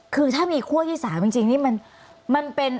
คือถ้ามีคั่วที่๓จริงนี่มันเป็น